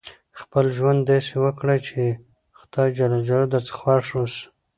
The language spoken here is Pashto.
خپل ژوند داسي وکړئ، چي خدای جل جلاله درڅخه خوښ اوسي.